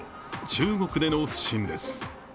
中国での不振です。